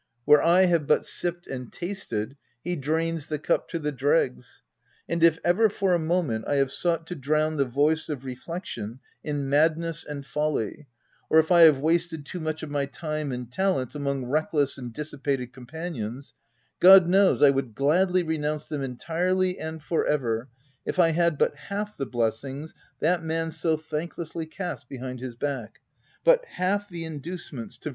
Where I have but sipped and tasted, he drains the cup to the dregs ; and if ever for a moment I have sought to drown the voice of reflection in madness and folly, or if I have wasted too much of my time and talents among reckless and dissipated com panions, God knows I wo'ild gladly renounce them entirely and for ever, if I had but half the blessings that man so thanklessly casts be hind his back— but half the inducements to VOL.